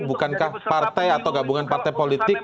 bukankah partai atau gabungan partai politik